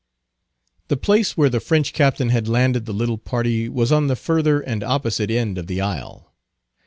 The place where the French captain had landed the little party was on the further and opposite end of the isle.